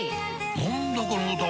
何だこの歌は！